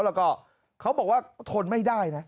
แล้วก็เขาบอกว่าทนไม่ได้นะ